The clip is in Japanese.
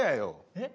えっ？